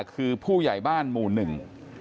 คือผู้ใหญ่บ้านหมู่หนึ่ง